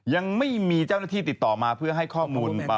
ยังไม่มีเจ้าหน้าที่ติดต่อมาเพื่อให้ข้อมูล